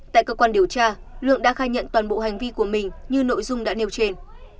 tại cơ quan điều tra lượng đã khai nhận toàn bộ hành vi của mình như nội dung đã nêu trên